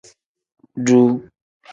Duu.